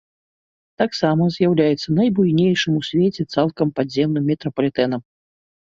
Таксама з'яўляецца найбуйнейшым у свеце цалкам падземным метрапалітэнам.